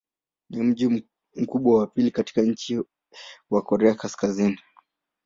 Ni mji mkubwa wa pili katika nchi wa Korea Kaskazini.